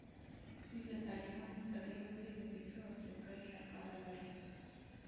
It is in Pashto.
دوی له طالبانو سره یوازې د پیسو او څوکیو شخړه لري.